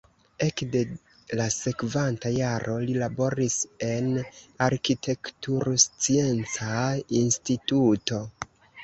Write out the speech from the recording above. Ekde la sekvanta jaro li laboris en arkitekturscienca instituto.